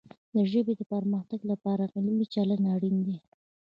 د ژبې د پرمختګ لپاره علمي چلند اړین دی.